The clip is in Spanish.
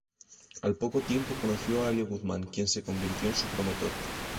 Al poco tiempo conoció a Elio Guzmán, quien se convirtió en su promotor.